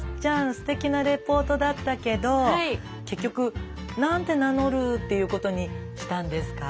すてきなレポートだったけど結局何て名乗るっていうことにしたんですか？